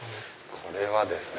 これはですね。